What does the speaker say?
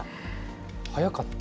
速かった。